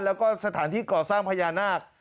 แล้วก็สถานที่ก่อสร้างพญานาค